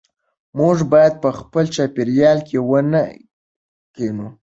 موږ باید په خپل چاپېریال کې ونې کېنوو.